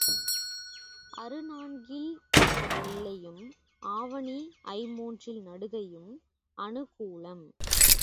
அறு நான்கில் பெற்ற பிள்ளையும் ஆவணி ஐம்மூன்றில் நடுகையும் அநுகூலம்.